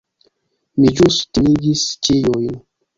Mi ĵus timigis ĉiujn.